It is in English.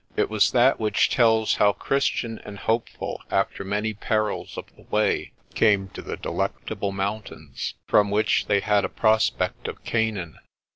It was that which tells how Christian and Hopeful, after many perils of the way, came to the Delectable Mountains, from which they had a prospect of Canaan.